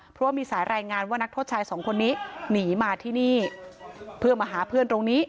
เพราะว่ามีสายรายงานว่านักโทษชายสองคนนี้หนีมาที่นี่เพื่อมาหาเพื่อนตรงนี้